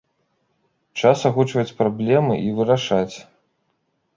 Час агучваць праблемы і вырашаць.